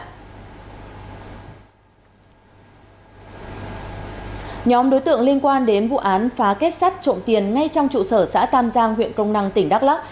nhóm đối tượng liên quan đến vụ án phá kết sắt trộm tiền ngay trong trụ sở xã tam giang huyện crong năng tỉnh đắk lắc